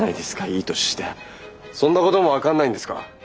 いい年してそんなことも分かんないんですか。